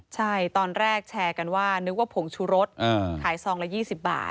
ใช่ตอนแรกแชร์กันว่านึกว่าผงชูรสขายซองละ๒๐บาท